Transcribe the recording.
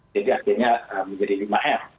jadi akhirnya menjadi lima m